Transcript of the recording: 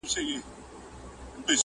پېړۍ واوښتې قرنونه دي تېریږي،